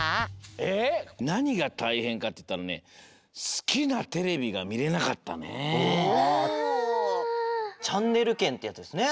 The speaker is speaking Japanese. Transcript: えなにがたいへんかっていったらね「チャンネルけん」ってやつですね。